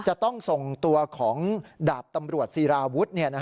จะต้องส่งตัวของดาบตำรวจศิราวุฒิ